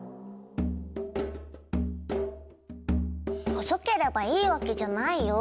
細ければいいわけじゃないよ。